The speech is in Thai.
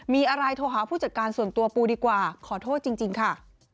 มีอะไรโทรหาผู้จัดการส่วนตัวปูดีกว่าขอโทษจริงค่ะ